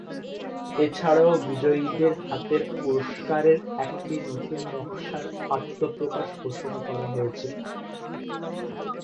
এছাড়াও বিজয়ীদের হাতের পুরস্কারের একটি নতুন নকশার আত্মপ্রকাশ ঘোষণা করা হয়েছে।